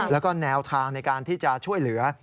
แล้วก็แนวทางในการที่จะช่วยเหลือ